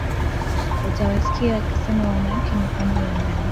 Utawasikia wakisema mwanamke ni pambo la ndani